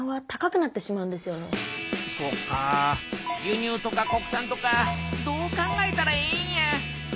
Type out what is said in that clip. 輸入とか国産とかどう考えたらええんや？